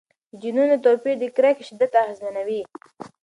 د جینونو توپیر د کرکې شدت اغېزمنوي.